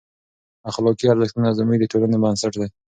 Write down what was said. اخلاقي ارزښتونه زموږ د ټولنې بنسټ دی.